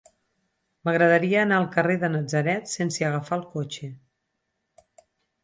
M'agradaria anar al carrer de Natzaret sense agafar el cotxe.